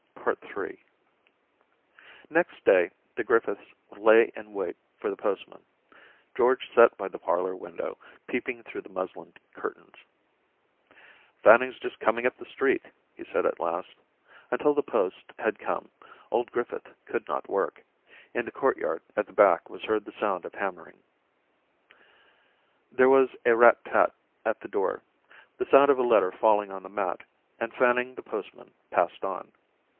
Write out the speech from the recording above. Ill Next day the Griffiths lay in wait for the postman ; George sat by the parlour window, peeping through the muslin curtains. Daisy 227 ' Fanning's just coming up the street,' he said at last. Until the post had come old Griffith could not work ; in the courtyard at the back was heard the sound of hammering. There was a rat tat at the door, the sound of a letter falling on the mat, and Fanning the postman passed on.